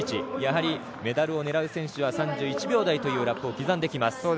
やはりメダルを狙う選手は３１秒台というラップを刻んできます。